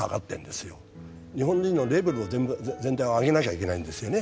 日本人のレベル全体を上げなきゃいけないんですよね。